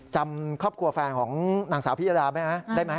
จำครอบครัวแฟนของนางสาวพิยดาได้ไหมได้ไหม